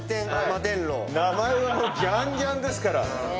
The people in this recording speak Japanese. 名前はもうギャンギャンですから。